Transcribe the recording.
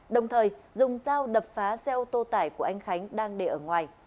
đồng thời dùng dao đập phá xe ô tô tải của anh khánh đang để ở ngoài